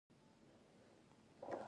هنرمندان خپل اثار پلوري.